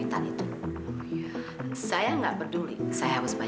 kamu gak sama mami